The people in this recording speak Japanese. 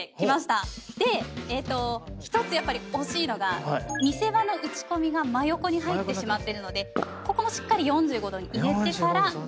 で１つやっぱり惜しいのが見せ場のうちこみが真横に入ってしまってるのでここもしっかり４５度に入れてから。